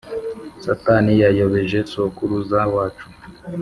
Satani yayobeje sogukuruza wacu